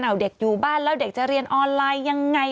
เอาเด็กอยู่บ้านแล้วเด็กจะเรียนออนไลน์ยังไง